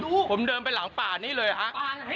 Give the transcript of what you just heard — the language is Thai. ผมเดินไปหลังป่านี่เลยฮะ